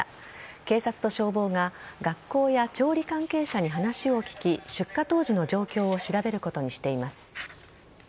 警察と消防が学校や調理関係者に話を聞き出火当時の状況を調べることにしています。